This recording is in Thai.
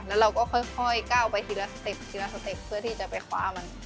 แล้วเราก็ค่อยก้าวไปทีละเต็ปทีละสเต็ปเพื่อที่จะไปคว้ามัน